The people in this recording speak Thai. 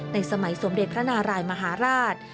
สมัยสมเด็จพระนารายมหาราช